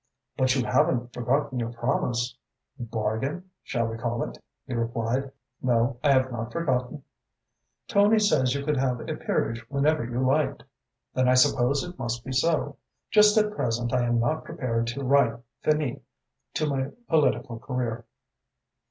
"But you haven't forgotten your promise?" "'Bargain' shall we call it?" he replied. "No, I have not forgotten." "Tony says you could have a peerage whenever you liked." "Then I suppose it must be so. Just at present I am not prepared to write 'finis' to my political career."